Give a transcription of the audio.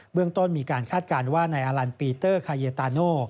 เรื่องต้นมีการคาดการณ์ว่านายอลันปีเตอร์คาเยตาโน